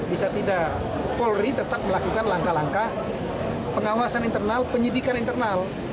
bisa tidak polri tetap melakukan langkah langkah pengawasan internal penyidikan internal